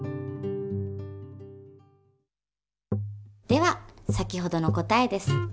では先ほどの答えです。